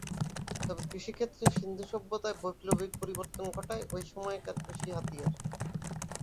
তবে কৃষিক্ষেত্রে সিন্ধু সভ্যতায় বৈপ্লবিক পরিবর্তন ঘটায়, ওই সময়কার কৃষি হাতিয়ার।